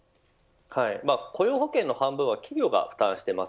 雇用保険の半分は企業が負担しています。